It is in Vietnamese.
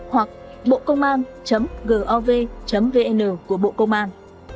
hoặc bộ công an gov vn của bộ công an